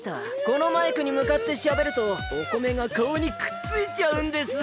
このマイクにむかってしゃべるとおこめがかおにくっついちゃうんです。